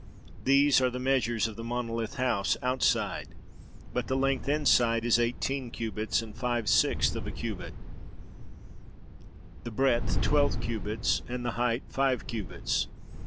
These are the measures of the monolith house outside; but the length inside is eighteen cubits and five sixths of a cubit, the breadth twelve cubits, and the height five cubits.